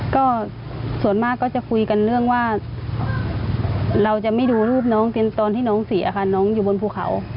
ก็ส่วนมากก็จะคุยกันเรื่องว่าเราจะไม่ดูรูปน้องตอนที่น้องเสียค่ะน้องอยู่บนภูเขา